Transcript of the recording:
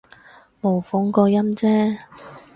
模仿個音啫